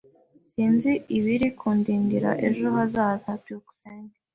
Sinzi ibiri kundindira ejo hazaza. byukusenge